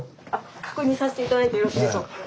確認さしていただいてよろしいでしょうか？